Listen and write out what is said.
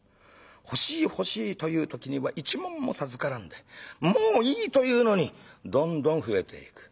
欲しい欲しいという時には一文も授からんでもういいというのにどんどん増えていく。